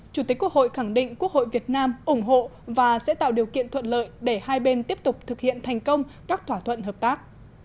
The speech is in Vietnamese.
chủ tịch quốc hội khẳng định quốc hội việt nam ủng hộ và sẽ tạo điều kiện thuận lợi để hai bên tiếp tục thực hiện thành công các thỏa thuận hợp tác